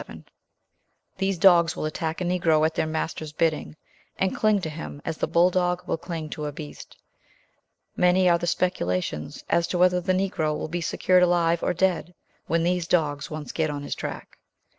These dogs will attack a Negro at their master's bidding and cling to him as the bull dog will cling to a beast. Many are the speculations, as to whether the Negro will be secured alive or dead, when these dogs once get on his track.